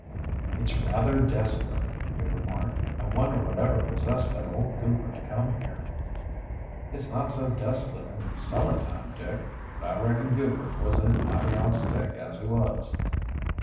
"It's rather desolate," he remarked. "I wonder what ever possessed that old Goupert to come here?" "It's not so desolate in the summer time, Dick. But I reckon Goupert was a mighty odd stick, as it was."